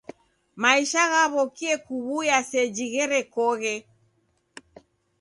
Maisha ghaw'okie kuw'uya seji gherekoghe.